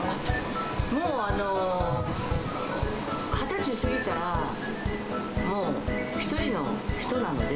もう２０歳過ぎたら、もう１人の人なので。